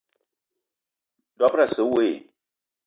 Dob-ro asse we i?